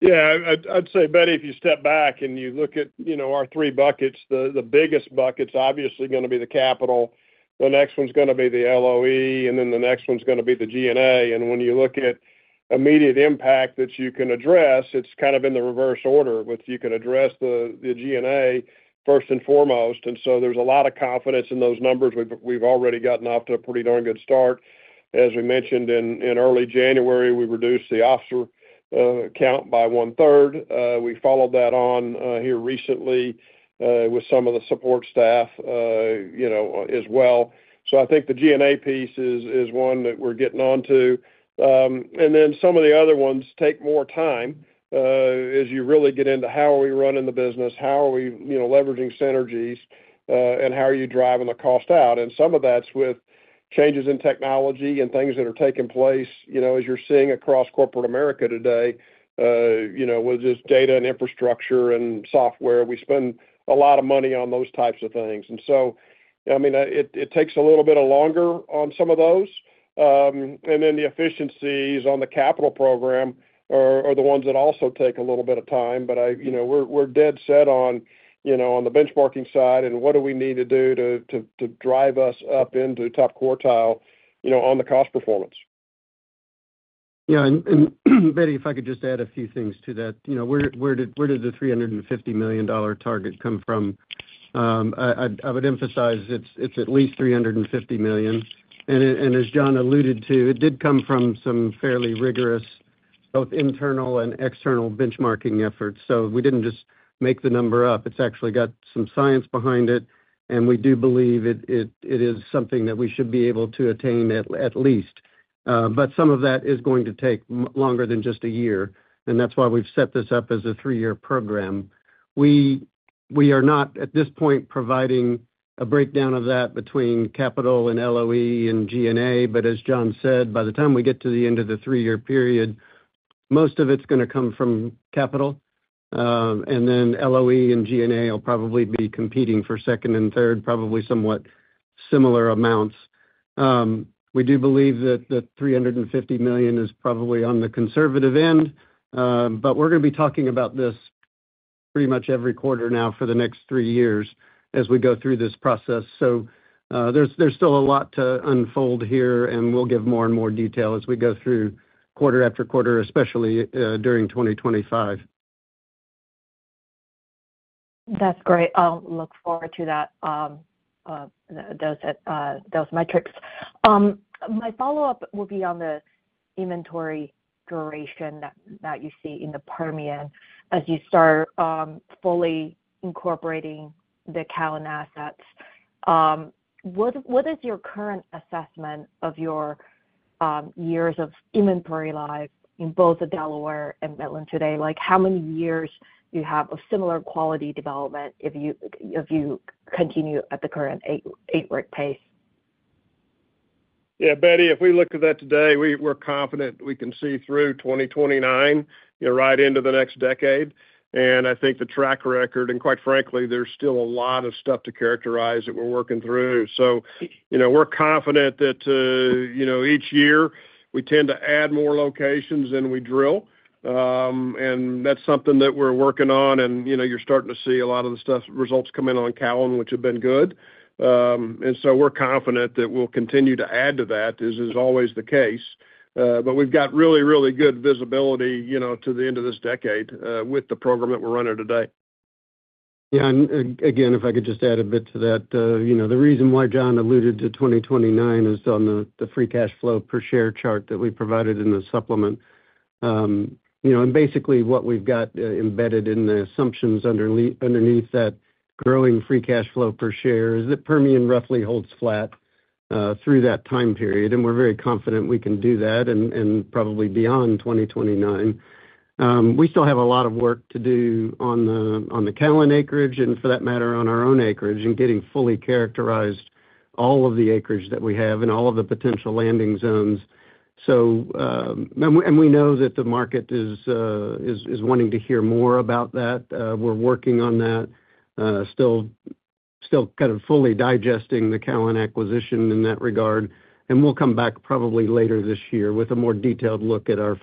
Yeah. I'd say, Betty, if you step back and you look at our three buckets, the biggest bucket's obviously going to be the capital. The next one's going to be the LOE, and then the next one's going to be the G&A. And when you look at immediate impact that you can address, it's kind of in the reverse order with you can address the G&A first and foremost. And so there's a lot of confidence in those numbers. We've already gotten off to a pretty darn good start. As we mentioned, in early January, we reduced the officer count by one-third. We followed that on here recently with some of the support staff as well. So I think the G&A piece is one that we're getting onto. And then some of the other ones take more time as you really get into how are we running the business, how are we leveraging synergies, and how are you driving the cost out. And some of that's with changes in technology and things that are taking place as you're seeing across corporate America today with just data and infrastructure and software. We spend a lot of money on those types of things. And so, I mean, it takes a little bit longer on some of those. And then the efficiencies on the capital program are the ones that also take a little bit of time. But we're dead set on the benchmarking side and what do we need to do to drive us up into top quartile on the cost performance. Yeah. And Betty, if I could just add a few things to that. Where did the $350 million target come from? I would emphasize it's at least $350 million. And as John alluded to, it did come from some fairly rigorous both internal and external benchmarking efforts. So we didn't just make the number up. It's actually got some science behind it. And we do believe it is something that we should be able to attain at least. But some of that is going to take longer than just a year. And that's why we've set this up as a three-year program. We are not, at this point, providing a breakdown of that between capital and LOE and G&A. But as John said, by the time we get to the end of the three-year period, most of it's going to come from capital. And then LOE and G&A will probably be competing for second and third, probably somewhat similar amounts. We do believe that the $350 million is probably on the conservative end. But we're going to be talking about this pretty much every quarter now for the next three years as we go through this process. So there's still a lot to unfold here, and we'll give more and more detail as we go through quarter after quarter, especially during 2025. That's great. I'll look forward to those metrics. My follow-up will be on the inventory duration that you see in the Permian as you start fully incorporating the Callon assets. What is your current assessment of your years of inventory life in both the Delaware and Midland today? How many years do you have of similar quality development if you continue at the current 8-rig pace? Yeah. Betty, if we looked at that today, we're confident we can see through 2029, right into the next decade. And I think the track record, and quite frankly, there's still a lot of stuff to characterize that we're working through. So we're confident that each year we tend to add more locations than we drill. And that's something that we're working on. And you're starting to see a lot of the stuff results come in on Callon, which have been good. And so we're confident that we'll continue to add to that, as is always the case. But we've got really, really good visibility to the end of this decade with the program that we're running today. Yeah. And again, if I could just add a bit to that, the reason why John alluded to 2029 is on the free cash flow per share chart that we provided in the supplement. And basically, what we've got embedded in the assumptions underneath that growing free cash flow per share is that Permian roughly holds flat through that time period. And we're very confident we can do that and probably beyond 2029. We still have a lot of work to do on the Callon acreage and, for that matter, on our own acreage and getting fully characterized all of the acreage that we have and all of the potential landing zones. And we know that the market is wanting to hear more about that. We're working on that, still kind of fully digesting the Callon acquisition in that regard. We'll come back probably later this year with a more detailed look at our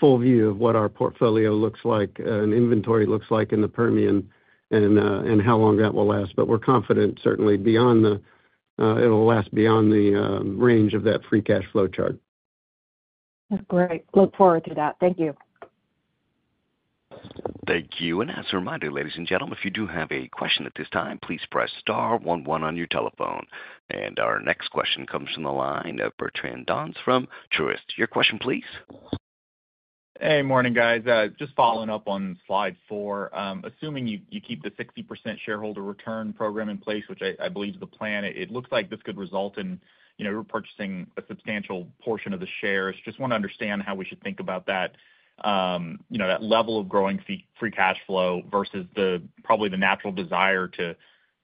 full view of what our portfolio looks like and inventory looks like in the Permian and how long that will last. We're confident, certainly, it'll last beyond the range of that free cash flow chart. Great. Look forward to that. Thank you. Thank you. And as a reminder, ladies and gentlemen, if you do have a question at this time, please press star one one on your telephone. And our next question comes from the line of Bertrand Donnes from Truist. Your question, please. Hey, morning, guys. Just following up on slide four, assuming you keep the 60% shareholder return program in place, which I believe is the plan, it looks like this could result in your purchasing a substantial portion of the shares. Just want to understand how we should think about that level of growing free cash flow versus probably the natural desire to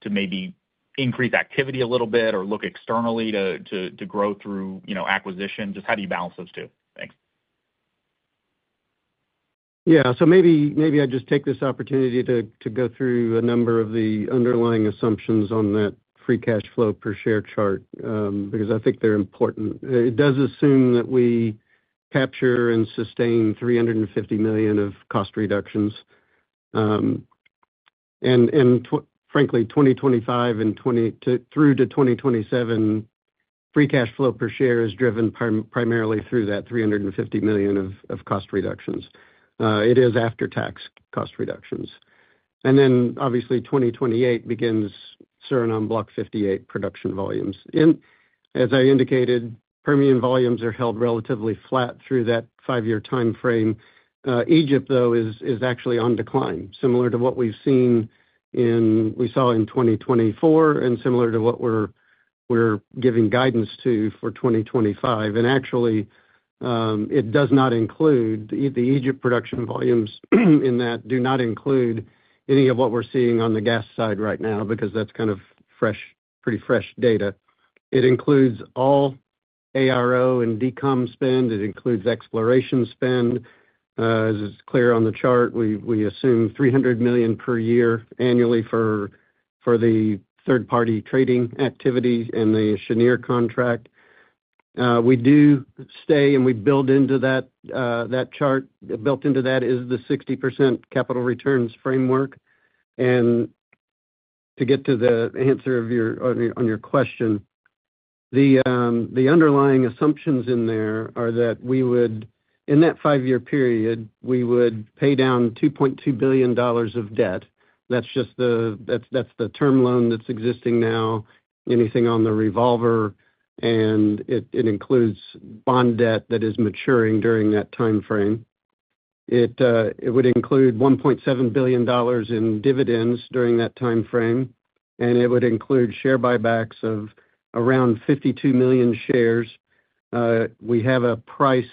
maybe increase activity a little bit or look externally to grow through acquisition. Just how do you balance those two? Thanks. Yeah. So maybe I'd just take this opportunity to go through a number of the underlying assumptions on that free cash flow per share chart because I think they're important. It does assume that we capture and sustain $350 million of cost reductions. And frankly, 2025 and through to 2027, free cash flow per share is driven primarily through that $350 million of cost reductions. It is after-tax cost reductions. And then, obviously, 2028 begins surrounding Block 58 production volumes. And as I indicated, Permian volumes are held relatively flat through that five-year time frame. Egypt, though, is actually on decline, similar to what we've seen in 2024 and similar to what we're giving guidance to for 2025. Actually, it does not include the Egypt production volumes in that. Do not include any of what we're seeing on the gas side right now because that's kind of pretty fresh data. It includes all ARO and DCOM spend. It includes exploration spend. As it's clear on the chart, we assume $300 million per year annually for the third-party trading activity and the Cheniere contract. We do stay, and we build into that chart. Built into that is the 60% capital returns framework. To get to the answer on your question, the underlying assumptions in there are that in that five-year period, we would pay down $2.2 billion of debt. That's the term loan that's existing now, anything on the revolver. It includes bond debt that is maturing during that time frame. It would include $1.7 billion in dividends during that time frame. It would include share buybacks of around 52 million shares. We have a price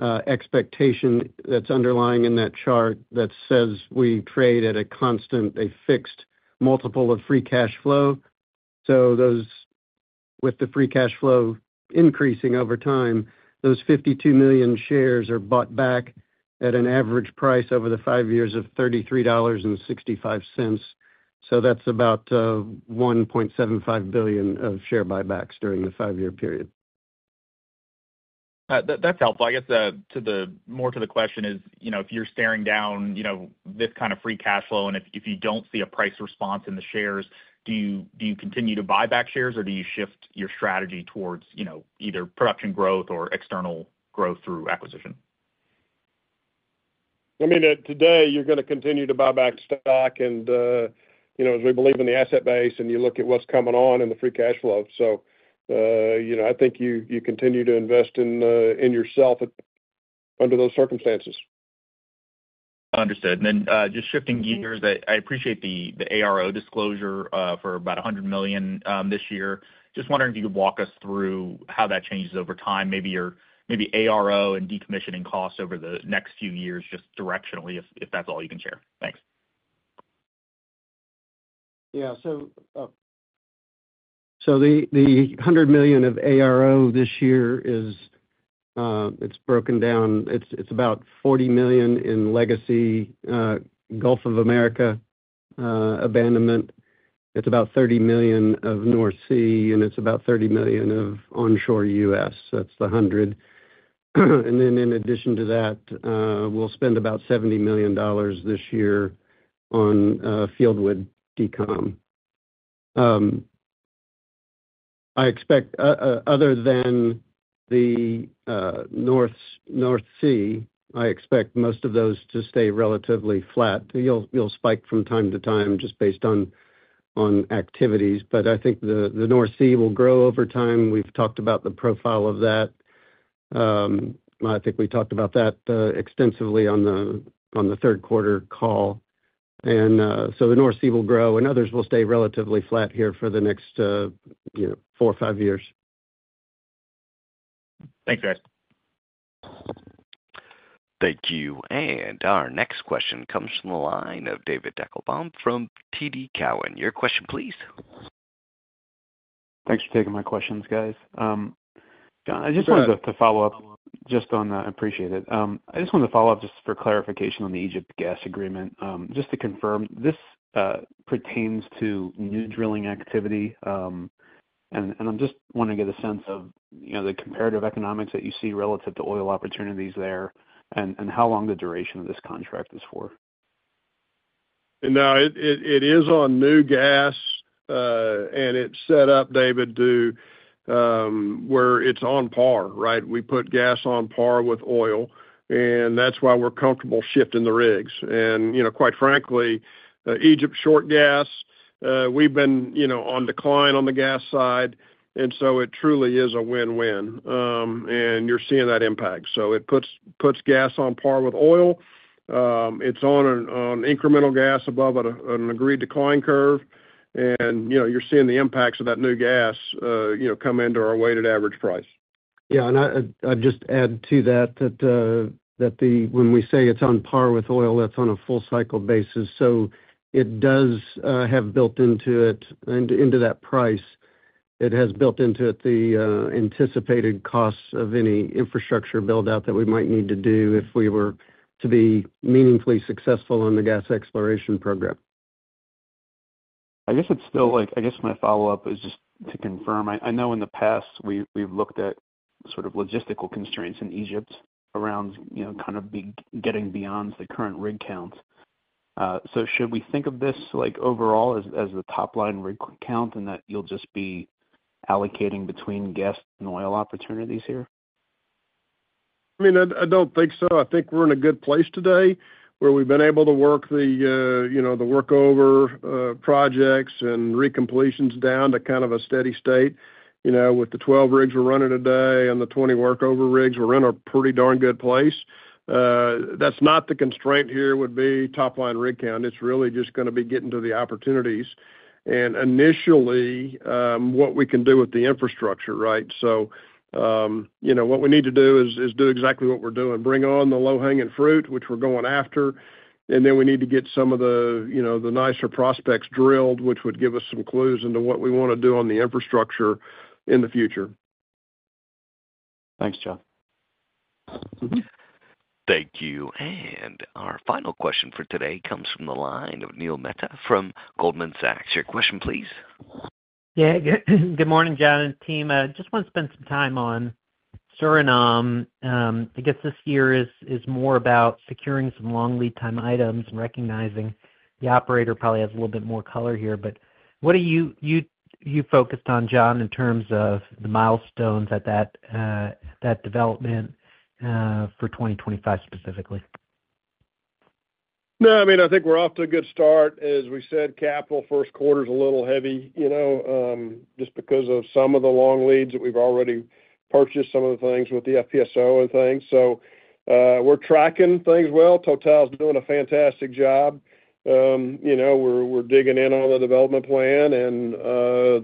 expectation that's underlying in that chart that says we trade at a constant, a fixed multiple of free cash flow. With the free cash flow increasing over time, those 52 million shares are bought back at an average price over the five years of $33.65. That's about $1.75 billion of share buybacks during the five-year period. That's helpful. I guess more to the question is if you're staring down this kind of free cash flow and if you don't see a price response in the shares, do you continue to buy back shares or do you shift your strategy towards either production growth or external growth through acquisition? I mean, today, you're going to continue to buy back stock as we believe in the asset base and you look at what's coming on in the free cash flow. So I think you continue to invest in yourself under those circumstances. Understood. And then just shifting gears, I appreciate the ARO disclosure for about $100 million this year. Just wondering if you could walk us through how that changes over time, maybe ARO and decommissioning costs over the next few years just directionally, if that's all you can share. Thanks. Yeah. The $100 million of ARO this year is broken down. It's about $40 million in legacy Gulf of Mexico abandonment. It's about $30 million of North Sea, and it's about $30 million of onshore US. That's the $100 million. In addition to that, we'll spend about $70 million this year on Fieldwood DCOM. Other than the North Sea, I expect most of those to stay relatively flat. They will spike from time to time just based on activities. The North Sea will grow over time. We've talked about the profile of that. We talked about that extensively on the third quarter call. The North Sea will grow, and others will stay relatively flat here for the next four or five years. Thanks, guys. Thank you. And our next question comes from the line of David Deckelbaum from TD Cowen. Your question, please. Thanks for taking my questions, guys. I just wanted to follow up just on that. I appreciate it. I just wanted to follow up just for clarification on the Egypt gas agreement. Just to confirm, this pertains to new drilling activity and I'm just wanting to get a sense of the comparative economics that you see relative to oil opportunities there and how long the duration of this contract is for. Now it is on new gas, and it's set up, David, to where it's on par, right? We put gas on par with oil. That's why we're comfortable shifting the rigs. Quite frankly, Egypt's short gas. We've been on decline on the gas side. It truly is a win-win. You're seeing that impact. It puts gas on par with oil. It's on an incremental gas above an agreed decline curve. You're seeing the impacts of that new gas come into our weighted average price. Yeah. And I'll just add to that that when we say it's on par with oil, that's on a full-cycle basis. So it does have built into it, into that price, it has built into it the anticipated costs of any infrastructure build-out that we might need to do if we were to be meaningfully successful on the gas exploration program. I guess it's still like, I guess my follow-up is just to confirm. I know in the past, we've looked at sort of logistical constraints in Egypt around kind of getting beyond the current rig counts. So should we think of this overall as the top-line rig count and that you'll just be allocating between gas and oil opportunities here? I mean, I don't think so. I think we're in a good place today where we've been able to work the workover projects and recompletions down to kind of a steady state. With the 12 rigs we're running today and the 20 workover rigs, we're in a pretty darn good place. That's not the constraint here would be top-line rig count. It's really just going to be getting to the opportunities and initially what we can do with the infrastructure, right? So what we need to do is do exactly what we're doing, bring on the low-hanging fruit, which we're going after. And then we need to get some of the nicer prospects drilled, which would give us some clues into what we want to do on the infrastructure in the future. Thanks, John. Thank you. And our final question for today comes from the line of Neil Mehta from Goldman Sachs. Your question, please. Yeah. Good morning, John and team. Just want to spend some time on Suriname. I guess this year is more about securing some long lead-time items and recognizing the operator probably has a little bit more color here. But what are you focused on, John, in terms of the milestones at that development for 2025 specifically? No, I mean, I think we're off to a good start. As we said, capital first quarter is a little heavy just because of some of the long leads that we've already purchased, some of the things with the FPSO and things. So we're tracking things well. Total is doing a fantastic job. We're digging in on the development plan and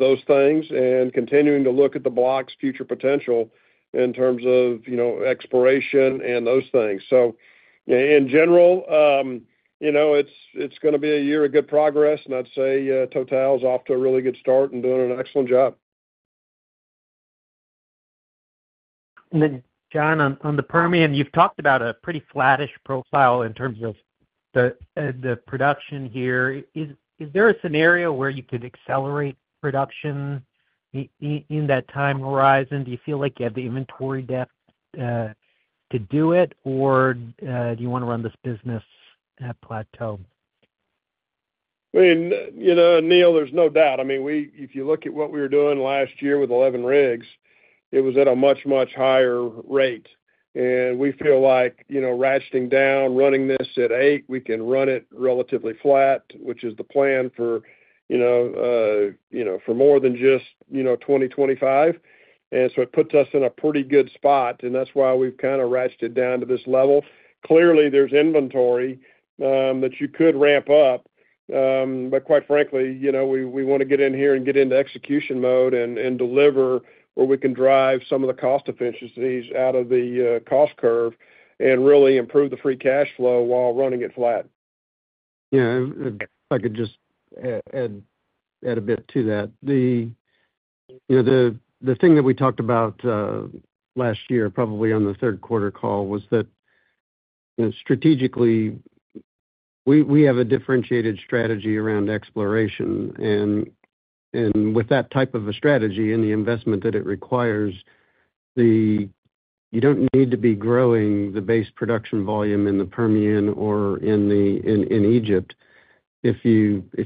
those things and continuing to look at the block's future potential in terms of exploration and those things. So in general, it's going to be a year of good progress, and I'd say Total is off to a really good start and doing an excellent job. And then, John, on the Permian, you've talked about a pretty flattish profile in terms of the production here. Is there a scenario where you could accelerate production in that time horizon? Do you feel like you have the inventory depth to do it, or do you want to run this business at plateau? I mean, Neil, there's no doubt. I mean, if you look at what we were doing last year with 11 rigs, it was at a much, much higher rate, and we feel like ratcheting down, running this at eight, we can run it relatively flat, which is the plan for more than just 2025, and so it puts us in a pretty good spot, and that's why we've kind of ratcheted down to this level. Clearly, there's inventory that you could ramp up, but quite frankly, we want to get in here and get into execution mode and deliver where we can drive some of the cost efficiencies out of the cost curve and really improve the free cash flow while running it flat. Yeah. If I could just add a bit to that. The thing that we talked about last year, probably on the third quarter call, was that strategically, we have a differentiated strategy around exploration. And with that type of a strategy and the investment that it requires, you don't need to be growing the base production volume in the Permian or in Egypt. If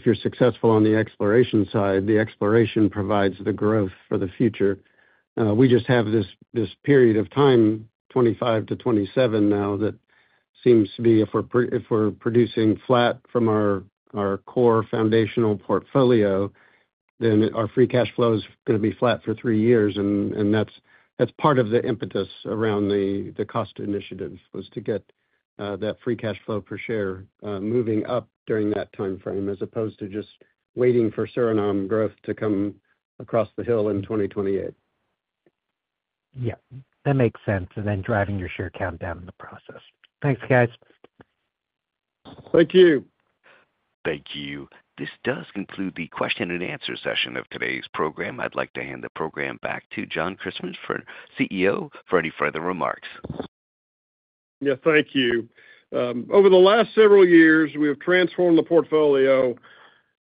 you're successful on the exploration side, the exploration provides the growth for the future. We just have this period of time, 2025-2027 now, that seems to be if we're producing flat from our core foundational portfolio, then our free cash flow is going to be flat for three years. That's part of the impetus around the cost initiative was to get that free cash flow per share moving up during that timeframe as opposed to just waiting for Suriname growth to come across the hill in 2028. Yeah. That makes sense. And then driving your share count down in the process. Thanks, guys. Thank you. Thank you. This does conclude the question and answer session of today's program. I'd like to hand the program back to John Christmann, our CEO, for any further remarks. Yeah. Thank you. Over the last several years, we have transformed the portfolio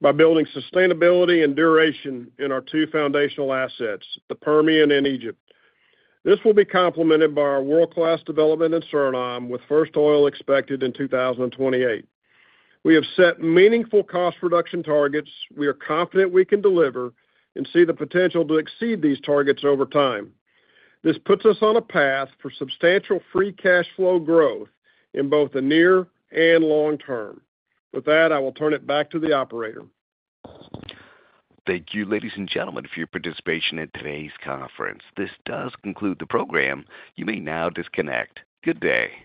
by building sustainability and duration in our two foundational assets, the Permian and Egypt. This will be complemented by our world-class development in Suriname, with first oil expected in 2028. We have set meaningful cost reduction targets. We are confident we can deliver and see the potential to exceed these targets over time. This puts us on a path for substantial free cash flow growth in both the near and long term. With that, I will turn it back to the operator. Thank you, ladies and gentlemen, for your participation in today's conference. This does conclude the program. You may now disconnect. Good day.